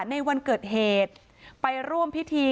ในวันเกิดเหตุไปร่วมพิธี